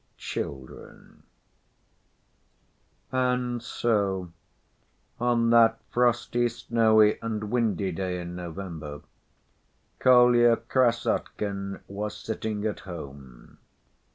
Children And so on that frosty, snowy, and windy day in November, Kolya Krassotkin was sitting at home.